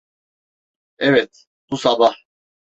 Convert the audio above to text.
Evet, bu sabah.